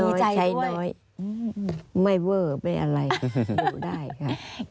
ใช้น้อยไม่เวอร์ไม่อะไรดูได้ค่ะ